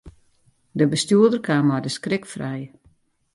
De bestjoerder kaam mei de skrik frij.